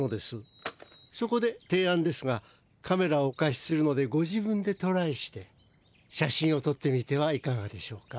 そこでていあんですがカメラをおかしするのでご自分でトライして写真をとってみてはいかがでしょうか？